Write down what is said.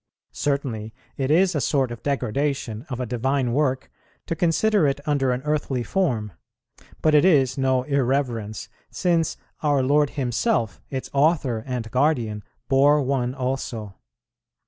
Certainly it is a sort of degradation of a divine work to consider it under an earthly form; but it is no irreverence, since our Lord Himself, its Author and Guardian, bore one also.